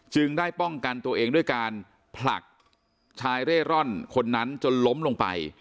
ได้ป้องกันตัวเองด้วยการผลักชายเร่ร่อนคนนั้นจนล้มลงไป